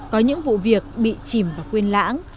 có những vụ việc bị chìm và quên lãng